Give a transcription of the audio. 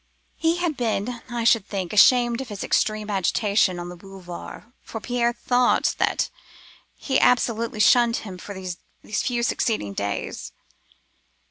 "He had been, I should think, ashamed of his extreme agitation on the Boulevards, for Pierre thought that he absolutely shunned him for these few succeeding days.